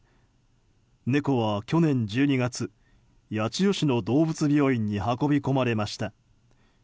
猫は去年１２月八千代市の動物病院に運び込まれました。